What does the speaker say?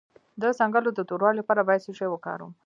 د څنګلو د توروالي لپاره باید څه شی وکاروم؟